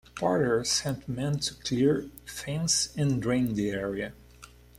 Porter sent men to clear, fence and drain the area.